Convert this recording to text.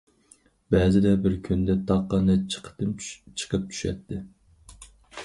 بەزىدە بىر كۈندە تاغقا نەچچە قېتىم چىقىپ چۈشەتتى.